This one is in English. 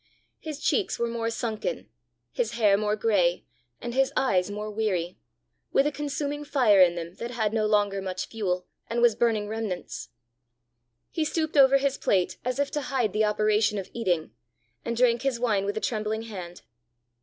His cheeks were more sunken, his hair more gray, and his eyes more weary with a consuming fire in them that had no longer much fuel and was burning remnants. He stooped over his plate as if to hide the operation of eating, and drank his wine with a trembling hand.